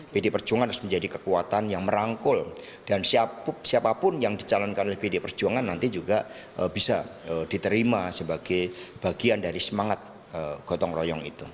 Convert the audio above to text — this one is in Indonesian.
pdi perjuangan harus menjadi kekuatan yang merangkul dan siapapun yang dicalonkan oleh pd perjuangan nanti juga bisa diterima sebagai bagian dari semangat gotong royong itu